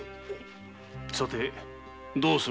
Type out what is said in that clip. さてどうする？